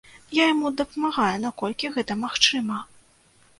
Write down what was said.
Я яму дапамагаю, наколькі гэта магчыма.